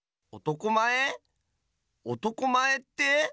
おとこまえって？